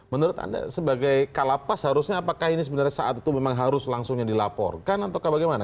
menurut anda sebagai kalapas harusnya apakah ini sebenarnya saat itu memang harus langsungnya dilaporkan atau bagaimana